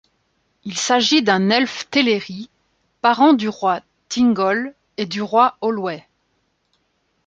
Il s'agit d'un Elfe Teleri, parent du roi Thingol et du roi Olwë.